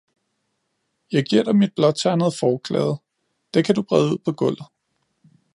Jeg giver dig mit blåternede forklæde, det kan du brede ud på gulvet.